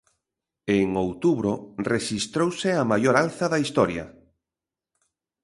En outubro rexistrouse a maior alza da historia.